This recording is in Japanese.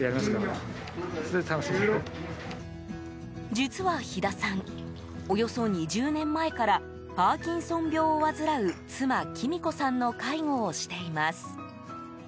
実は、日田さんおよそ２０年前からパーキンソン病を患う妻・紀美子さんの介護をしています。